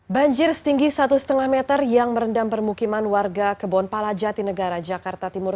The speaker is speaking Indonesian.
banjir setinggi satu lima meter yang merendam permukiman warga kebon pala jati negara jakarta timur